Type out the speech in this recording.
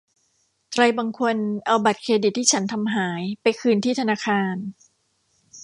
ใครบางคนเอาบัตรเครดิตที่ฉันทำหายไปคืนที่ธนาคาร